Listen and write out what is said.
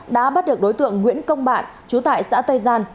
đã bắt được đối tượng nguyễn công bạn chú tại xã tây gian